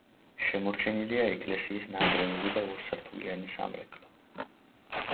შემორჩენილია ეკლესიის ნანგრევები და ორსართულიანი სამრეკლო.